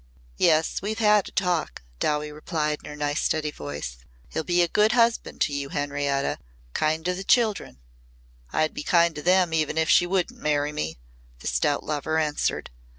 "Yes, we've had a talk," Dowie replied in her nice steady voice. "He'll be a good husband to you, Henrietta kind to the children." "I'd be kind to them even if she wouldn't marry me," the stout lover answered.